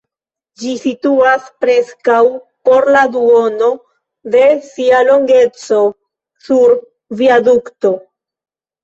Ĝi situas preskaŭ por la duono de sia longeco sur viadukto.